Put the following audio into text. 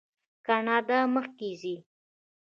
کاناډا مخکې ځي.